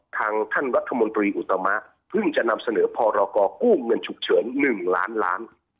ทางท่านรัฐมนตรีอุตมะเพิ่งจะนำเสนอพรกู้เงินฉุกเฉิน๑ล้านล้าน